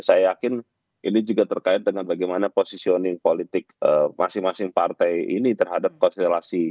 saya yakin ini juga terkait dengan bagaimana positioning politik masing masing partai ini terhadap konstelasi